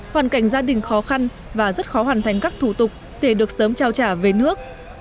hoàn cảnh gia đình khó khăn và rất khó hoàn thành các thủ tục để được sớm trao trả về nước